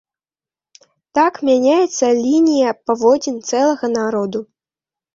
Так мяняецца лінія паводзін цэлага народа.